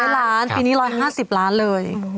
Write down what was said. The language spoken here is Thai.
๐ล้านปีนี้๑๕๐ล้านเลย